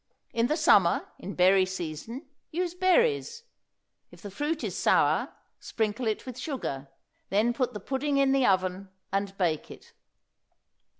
In the summer, in berry season, use berries. If the fruit is sour sprinkle it with sugar; then put the pudding in the oven and bake it.